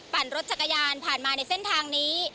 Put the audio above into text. รถจักรยานผ่านมาในเส้นทางนี้